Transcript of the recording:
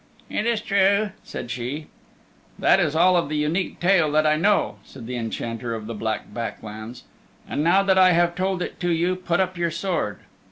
"It is true," said she. "That is all of the Unique Tale that I know," said the Enchanter of the Black Back Lands, "and now that I have told it to you, put up your sword."